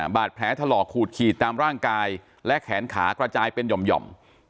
บาดแผลถลอกขูดขีดตามร่างกายและแขนขากระจายเป็นหย่อม